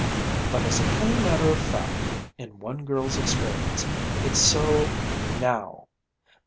But as a plain matter of fact, in one girl's experience, it's so, now!